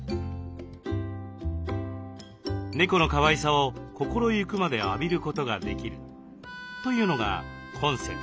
猫のかわいさを心ゆくまで浴びることができるというのがコンセプト。